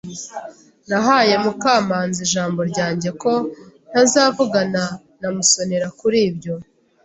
Nahaye Mukamanzi ijambo ryanjye ko ntazavugana na Musonera kuri ibyo.